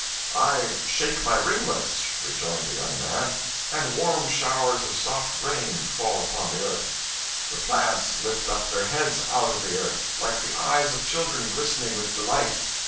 'I shake my ringlets,' rejoined the young man, 'and warm showers of soft rain fall upon the earth. The plants lift up their heads out of the earth, like the eyes of children glistening with delight.